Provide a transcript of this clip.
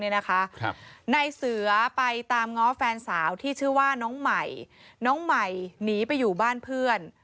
นายเสือไปตามง้อแฟนสาวที่ชื่อว่าน้องใหม่น้องใหม่หนีไปอยู่บ้านเพื่อน